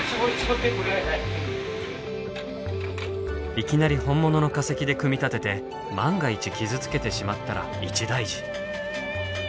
いきなり本物の化石で組み立てて万が一傷つけてしまったら一大事。